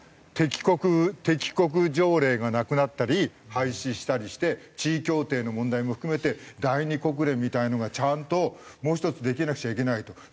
敵国条例がなくなったり廃止したりして地位協定の問題も含めて第二国連みたいなのがちゃんともう１つできなくちゃいけないと。